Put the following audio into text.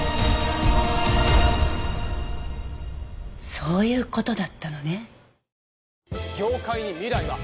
そういう事だったのね。